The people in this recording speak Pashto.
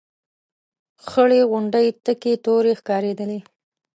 خړې غونډۍ تکې تورې ښکارېدلې.